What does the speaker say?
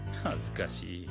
恥ずかしい。